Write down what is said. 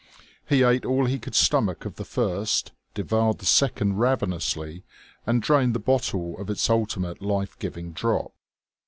He ate all he could stomach of the first, devoured the second ravenously, and drained the bottle of its ultimate life giving drop.